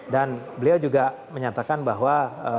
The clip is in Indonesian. dan beliau juga menyatakan bahwa